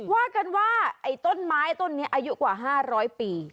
วาดกันว่าต้นไม้อะไรกว่า๕๐๐ปี